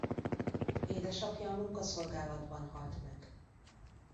Édesapja a munkaszolgálatban halt meg.